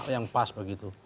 yang pas begitu